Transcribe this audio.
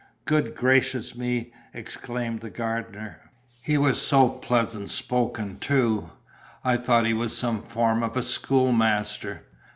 "Good gracious me!" exclaimed the gardener. "He was so pleasant spoken, too; I thought he was some form of a schoolmaster.